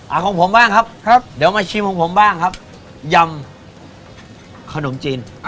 เอาของผมบ้างครับครับเดี๋ยวมาชิมของผมบ้างครับยำขนมจีน